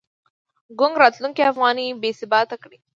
ګونګ راتلونکی افغانۍ بې ثباته کړې.